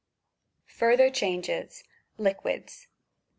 FUETHER CHAl^GES. ^LIQUIDS.